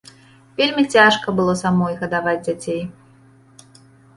Вельмі цяжка было самой гадаваць дзяцей.